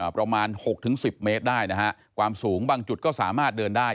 ประมาณ๖๑๐เมตรได้นะฮะความสูงบางจุดก็สามารถเดินได้